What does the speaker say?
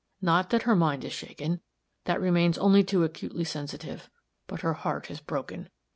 Not that her mind is shaken that remains only too acutely sensitive. But her heart is broken.